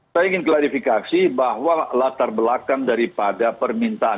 saya ingin klarifikasi bahwa latar belakang daripada permintaan